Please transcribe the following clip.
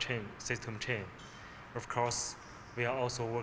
dan sistem jenis penggunaan global